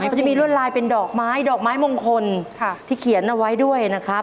เขาจะมีรวดลายเป็นดอกไม้ดอกไม้มงคลที่เขียนเอาไว้ด้วยนะครับ